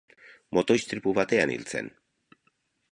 Moto istripu batean hil zen.